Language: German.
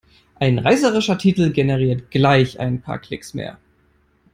Ein reißerischer Titel generiert gleich ein paar Klicks mehr.